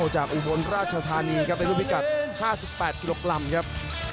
จากอุโมนราชธานีครับเป็นรูปพิกัด๕๘กิโลกรัมครับ